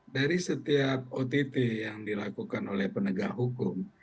dari setiap ott yang dilakukan oleh penegak hukum